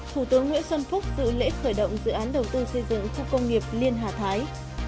thủ tướng nguyễn xuân phúc dự lễ khởi động dự án đầu tư xây dựng khu công nghiệp liên hà thái